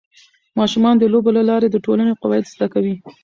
ماشومان د لوبو له لارې د ټولنې قواعد زده کوي.